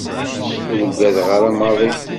Ur ugadeɣ ara maḍi.